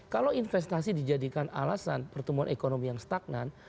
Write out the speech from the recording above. kalau investasi dijadikan alasan pertumbuhan ekonomi yang stagnan